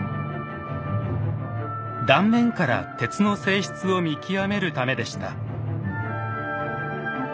断面から鉄の性質を見極めるためでした。